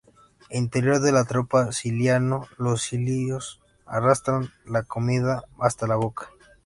Interior de la trompa ciliado, los cilios arrastran la comida hasta la boca.